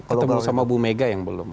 ketemu sama bu mega yang belum